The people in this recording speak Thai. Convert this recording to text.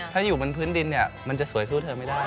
ถ้าอยู่บนพื้นดินเนี่ยมันจะสวยสู้เธอไม่ได้